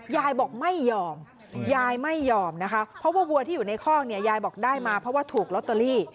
ยายบอกไม่ยอมยายไม่ยอมนะคะเพราะว่าวัวที่อยู่ในคอกเนี่ยยายบอกได้มาเพราะว่าถูกลอตเตอรี่